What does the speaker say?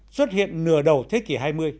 xuất hiện nửa đầu thế kỷ hai mươi